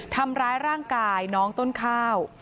ทำร้ายร่างกายน้องต้นข้าว